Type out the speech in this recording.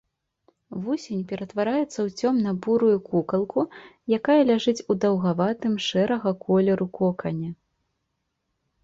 Вусень ператвараецца ў цёмна-бурую кукалку, якая ляжыць у даўгаватым шэрага колеру кокане.